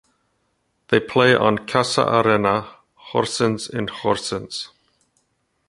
They play on Casa Arena Horsens in Horsens.